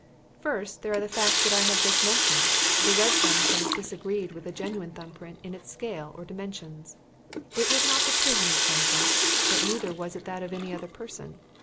"First, there are the facts that I have just mentioned. The red thumb print disagreed with the genuine print in its scale or dimensions. It was not the prisoner's thumb print; but neither was it that of any other person.